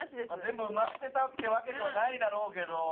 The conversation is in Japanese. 全部埋まってたってわけではないだろうけど。